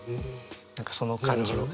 何かその感じを。